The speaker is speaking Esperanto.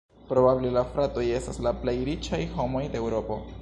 Probable la fratoj estas la plej riĉaj homoj de Eŭropo.